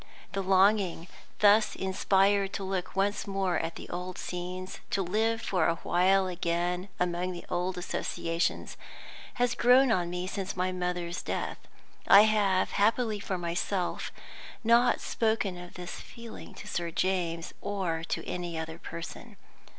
The longing thus inspired to look once more at the old scenes, to live for a while again among the old associations, has grown on me since my mother's death. I have, happily for myself, not spoken of this feeling to Sir James or to any other person.